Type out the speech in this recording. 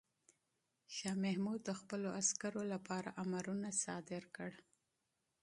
شاه محمود د خپلو عسکرو لپاره امرونه صادر کړل.